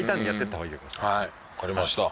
はいわかりました。